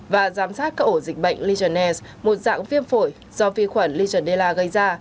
và giám sát các ổ dịch bệnh legionella một dạng viêm phổi do vi khuẩn legionella gây ra